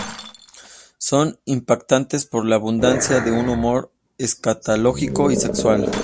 Son impactantes por la abundancia de un humor escatológico y sexual.